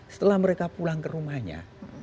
setelah mereka pulang ke rumahnya